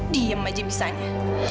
diem aja bisanya